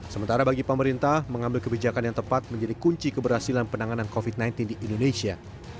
sementara bagi pemerintah mengambil kebijakan yang tepat menjadi kunci keberhasilan penanganan covid sembilan belas di indonesia